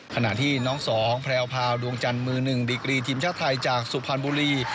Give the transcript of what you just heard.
ขณะที่น้องสองแพรวพาวดวงจันทร์มือหนึ่งดีกรีทีมชาติไทยจากสุพรรณบุรี